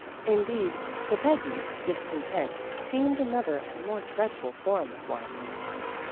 Indeed, to Peggy discontent seemed another and more dreadful form of blindness.